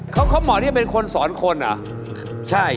เขาเหมาะที่เป็นคนสอนคนเหรอใช่